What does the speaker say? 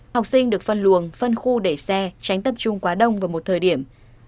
học sinh được phân luồng phân khu để xe tránh tập trung quá đông vào một thời điểm